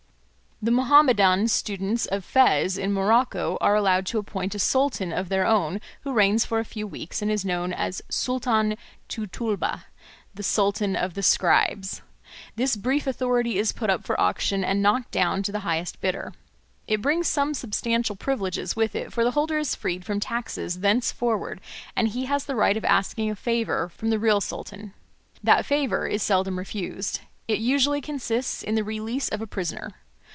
The Mohammedan students of Fez, in Morocco, are allowed to appoint a sultan of their own, who reigns for a few weeks, and is known as Sultan t tulba, "the Sultan of the Scribes." This brief authority is put up for auction and knocked down to the highest bidder. It brings some substantial privileges with it, for the holder is freed from taxes thenceforward, and he has the right of asking a favour from the real sultan. That favour is seldom refused; it usually consists in the release of a prisoner.